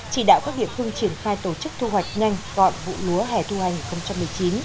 chỉ đạo các địa phương triển khai tổ chức thu hoạch nhanh gọn vụ lúa hẻ thu hành hai nghìn một mươi chín